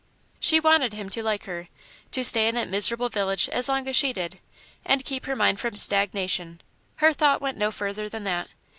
She wanted him to like her, to stay in that miserable village as long as she did, and keep her mind from stagnation her thought went no further than that.